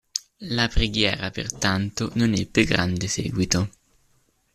La preghiera pertanto non ebbe grande seguito.